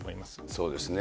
そうですね。